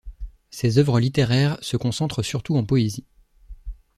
Ses œuvres littéraires se concentrent surtout en poésie.